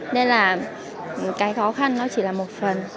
nên là cái khó khăn nó chỉ là một phần